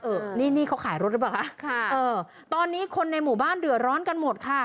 เออนี่นี่เขาขายรถหรือเปล่าคะค่ะเออตอนนี้คนในหมู่บ้านเดือดร้อนกันหมดค่ะ